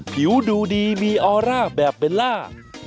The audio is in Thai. ผิวดูดีมีออร่าแบบเบลล่า